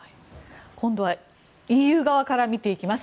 今度はＥＵ側から見ていきます。